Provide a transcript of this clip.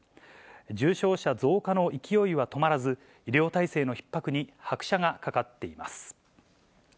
重症者増加の勢いは止まらず、医療体制のひっ迫に拍車がかかっています。